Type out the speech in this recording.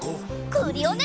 クリオネ！